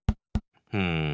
うん。